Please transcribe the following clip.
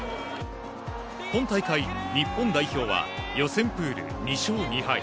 今大会、日本代表は予選プール２勝２敗。